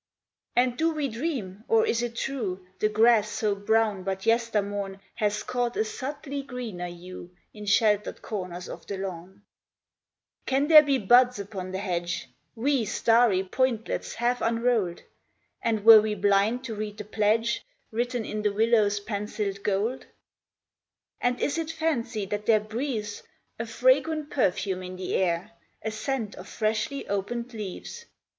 PRELUDE And do we dream, or is it true, The grass so brown but yester morn Has caught a subtly greener hue In sheltered corners of the lawn ? Can there be buds upon the hedge Wee, starry pointlets half unrolled ? And were we blind to read the pledge Written in the willow's pencilled gold ? And is it fancy that there breathes A vagrant perfume in the air, A scent of freshly opened leaves